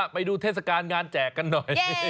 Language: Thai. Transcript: ไปดูเทศการงานแจกกันหน่อย